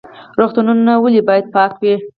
روغتونونه ولې باید پاک وي؟